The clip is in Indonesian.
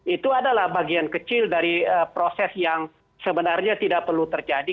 itu adalah bagian kecil dari proses yang sebenarnya tidak perlu terjadi